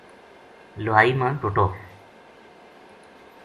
لُہائی ما ٹُٹو